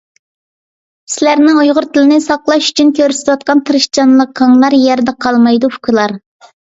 سىلەرنىڭ ، ئۇيغۇر تىلىنى ساقلاش ئۇچۈن كۆرسىتۋاتقان تىرىشچانلىقىڭلار يەردە قالمايدۇ، ئۇكىلار…